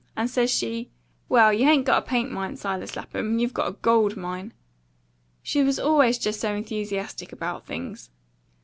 And says she, 'Well, you hain't got a paint mine, Silas Lapham; you've got a GOLD mine.' She always was just so enthusiastic about things.